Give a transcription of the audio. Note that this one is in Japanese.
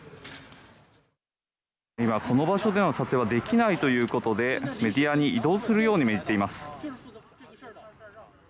今、この場所での撮影はできないということで、メディアに移動するように命じています。